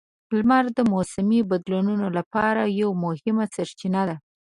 لمر د موسمي بدلونونو لپاره یوه مهمه سرچینه ده.